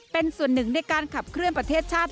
เป็นส่วนหนึ่งในการขับเคลื่อนประเทศชาติ